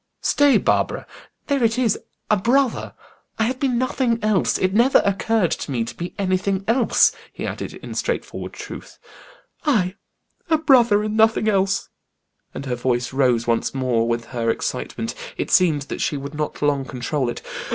"Stay, Barbara. There it is a brother. I have been nothing else; it never occurred to me to be anything else," he added, in his straightforward truth. "Ay, as a brother, nothing else!" and her voice rose once more with her excitement; it seemed that she would not long control it.